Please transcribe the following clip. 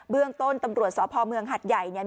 เรื่องต้นตำรวจสพเมืองหัดใหญ่เนี่ย